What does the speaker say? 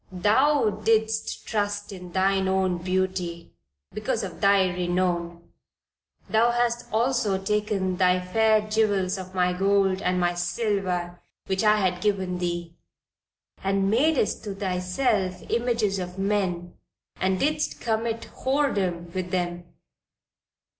"Thou didst trust in thine own beauty, because of thy renown. Thou hast also taken thy fair jewels of my gold and my silver which I had given thee, and madest to thyself images of men, and didst commit whoredom with them.